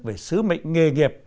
về sứ mệnh nghề nghiệp